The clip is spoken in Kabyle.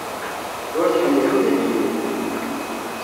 Ur tḥemmel ula d yiwen.